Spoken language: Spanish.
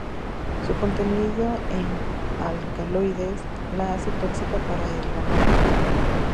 Su contenido en alcaloides la hace tóxica para el ganado caprino.